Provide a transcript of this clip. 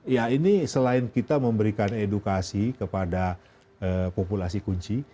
ya ini selain kita memberikan edukasi kepada populasi kunci